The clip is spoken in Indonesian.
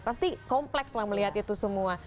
pasti kompleks lah melihat itu semua